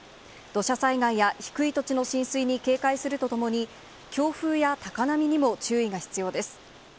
土砂災害や低い土地の浸水に警戒するとともに、強風や高波にも注意が必要です。